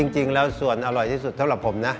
จริงแล้วส่วนอร่อยที่สุดเท่าผมนะ